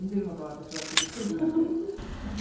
私はってびっくりしましたよ。